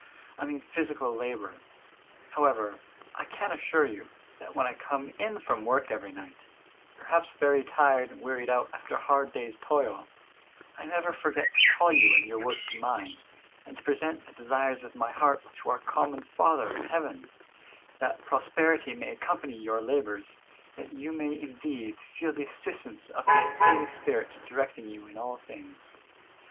I mean physical labor. However, I can assure you, that when I come in from work every night, perhaps very tired and wearied out after a hard day's toil, I never forget to call you and your work to mind, and to present the desires of my heart to our common Father in heaven, that prosperity may accompany your labors, and that you may indeed feel the assistance of His Holy Spirit directing you in all things.